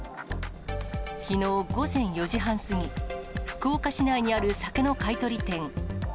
きのう午前４時半過ぎ、福岡市内にある酒の買い取り店。